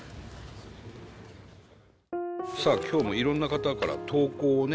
さあ今日もいろんな方から投稿をね。